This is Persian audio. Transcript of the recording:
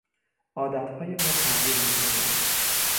عادتهای ما تغییر میکنند